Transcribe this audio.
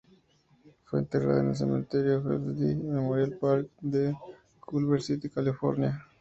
Fue enterrada en el Cementerio Hillside Memorial Park de Culver City, California.